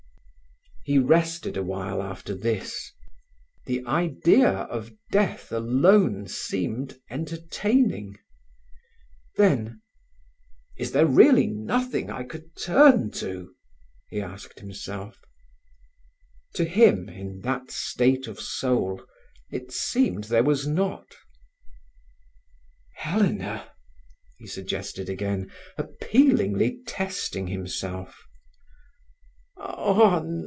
He rested awhile after this. The idea of death alone seemed entertaining. Then, "Is there really nothing I could turn to?" he asked himself. To him, in that state of soul, it seemed there was not. "Helena!" he suggested again, appealingly testing himself.